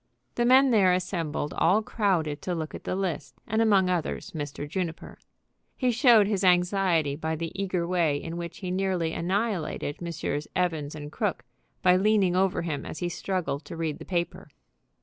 The men there assembled all crowded to look at the list, and among others Mr. Juniper. He showed his anxiety by the eager way in which he nearly annihilated Messrs. Evans & Crooke, by leaning over him as he struggled to read the paper.